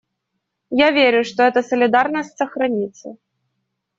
Я верю, что эта солидарность сохранится.